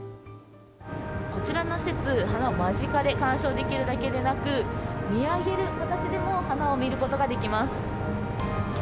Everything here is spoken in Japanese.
こちらの施設、花を間近で観賞できるだけでなく、見上げる形でも花を見ることができます。